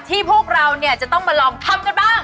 พวกเราเนี่ยจะต้องมาลองทำกันบ้าง